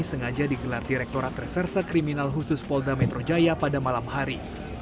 sengaja digelar direkturat reserse kriminal khusus polda metro jaya pada malam hari